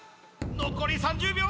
残り３０秒